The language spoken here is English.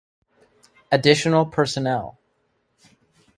Additional Personnel